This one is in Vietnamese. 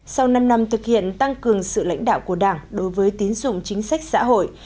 sau năm năm thực hiện tăng cường sự lãnh đạo của đảng đối với tín dụng chính sách xã hội